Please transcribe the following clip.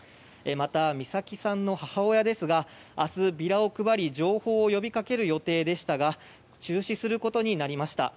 また、美咲さんの母親ですが明日、ビラを配り情報を呼び掛ける予定でしたが中止することになりました。